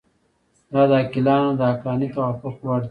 دا د عاقلانو د عقلاني توافق وړ دي.